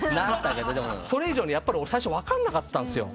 それ以上にやっぱり俺最初分かんなかったんすよ。